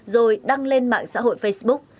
rồi đăng lên mạng xã hội facebook